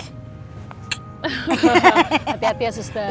hati hati ya suster